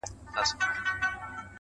پریوار = ښاپېرۍ، پري وار